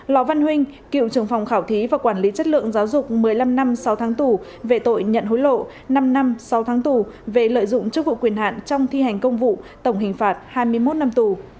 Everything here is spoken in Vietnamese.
lò văn huynh cựu trưởng phòng khảo thí và quản lý chất lượng giáo dục một mươi năm năm sáu tháng tù về tội nhận hối lộ năm năm sáu tháng tù về lợi dụng chức vụ quyền hạn trong thi hành công vụ tổng hình phạt hai mươi một năm tù